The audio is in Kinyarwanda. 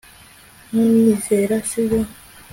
Ntunyizera sibyo